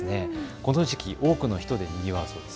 この時期、多くの人でにぎわうそうです。